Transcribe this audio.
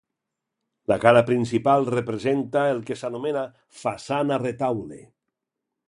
La cara principal representa el que s'anomena façana retaule.